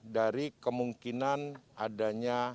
dari kemungkinan adanya